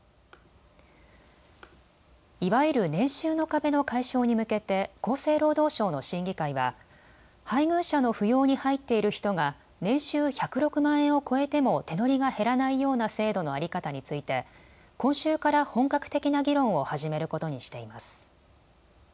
いわゆる年収の壁の解消に向けて厚生労働省の審議会は配偶者の扶養に入っている人が年収１０６万円を超えても手取りが減らないような制度の在り方について今週から本格的な議論を始めることにしています。